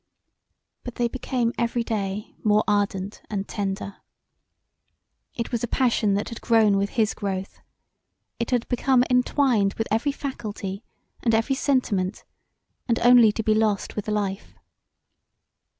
But they became every day more ardent and tender. It was a passion that had grown with his growth; it had become entwined with every faculty and every sentiment and only to be lost with life.